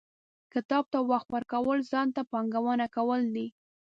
• کتاب ته وخت ورکول، ځان ته پانګونه کول دي.